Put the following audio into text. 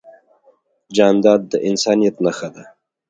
جانداد د انسانیت نښه ده.